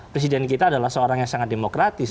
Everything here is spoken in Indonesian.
presiden kita adalah seorang yang sangat demokratis